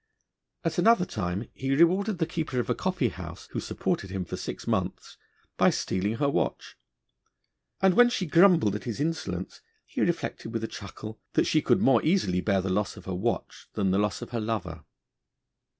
At another time he rewarded the keeper of a coffee house, who supported him for six months, by stealing her watch; and, when she grumbled at his insolence, he reflected, with a chuckle, that she could more easily bear the loss of her watch than the loss of her lover.